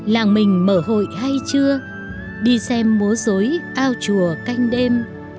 làng mình mở hội hay chưa đi xem múa dối ao chùa canh đêm